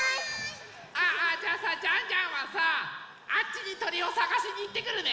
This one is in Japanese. あじゃあさジャンジャンはさあっちにとりをさがしにいってくるね。